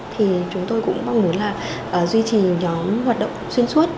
thì chúng tôi cũng mong muốn là duy trì nhóm hoạt động xuyên suốt